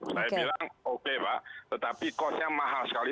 saya bilang oke pak tetapi costnya mahal sekali